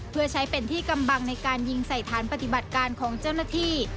เพื่อใช้เป็นที่กำบังในการยิงใส่ฐานปฏิบัติการของเจ้าหน้าที่